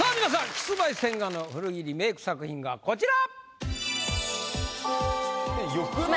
キスマイ・千賀の古着リメイク作品がこちら！